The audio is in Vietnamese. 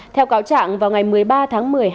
theo cáo trạng vào ngày một mươi ba tháng một mươi hai